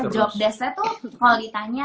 job desk nya tuh kalo ditanya